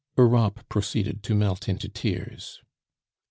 Europe proceeded to melt into tears.